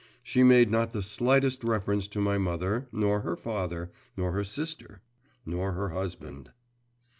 She made not the slightest reference to my mother, nor her father, nor her sister, nor her husband.